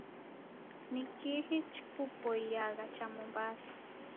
Ni kihi chikupoiyagha cha Mombasa?